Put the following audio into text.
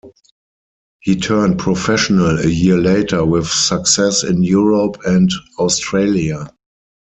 He turned professional a year later with success in Europe and Australia.